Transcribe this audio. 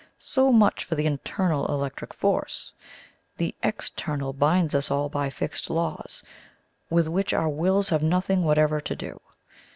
So much for the INTERNAL electrical force. The EXTERNAL binds us all by fixed laws, with which our wills have nothing whatever to do.